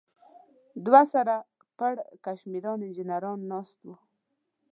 دوه سر پړکمشران انجنیران ناست و.